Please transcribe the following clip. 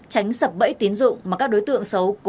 tránh sập bẫy tín dụng mà các đối tượng xấu cố tình răng ra